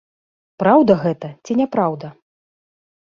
Праўда гэта ці няпраўда?